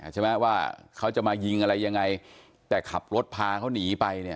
ใช่ไหมว่าเขาจะมายิงอะไรยังไงแต่ขับรถพาเขาหนีไปเนี่ย